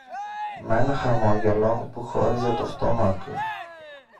μ' ένα χαμόγελο που χώριζε το στόμα του